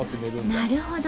なるほど。